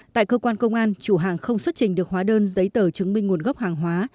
tại cơ quan công an chủ hàng không xuất trình được hóa đơn giấy tờ chứng minh nguồn gốc hàng hóa